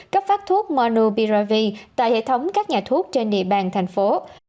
cấp phát thuốc monopiravir tại hệ thống các nhà thuốc trên địa bàn thành phố